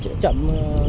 thì đó thì chắc là